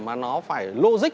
mà nó phải lô dịch